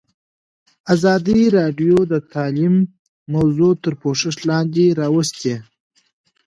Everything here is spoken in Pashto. ازادي راډیو د تعلیم موضوع تر پوښښ لاندې راوستې.